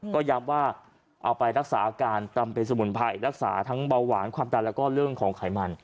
ก็ย้ำว่าเอาไปรักษาอาการตำเป็นสมุนไพรรักษาทั้งเบาหวานความดันแล้วก็เรื่องของไขมัน